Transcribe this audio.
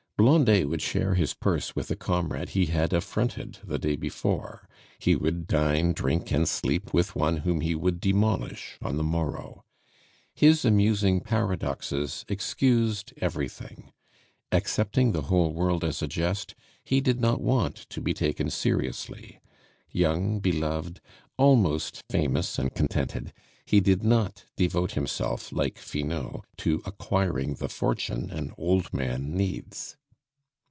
Blondet would share his purse with a comrade he had affronted the day before; he would dine, drink, and sleep with one whom he would demolish on the morrow. His amusing paradoxes excused everything. Accepting the whole world as a jest, he did not want to be taken seriously; young, beloved, almost famous and contented, he did not devote himself, like Finot, to acquiring the fortune an old man needs.